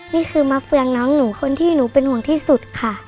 นี่คือมาเฟืองน้องหนูคนที่หนูเป็นห่วงที่สุดค่ะ